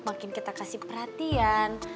makin kita kasih perhatian